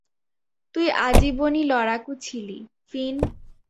তুই আজীবন-ই লড়াকু ছিলি, ফিন।